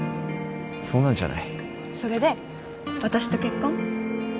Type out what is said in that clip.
そうなんじゃないそれで私と結婚？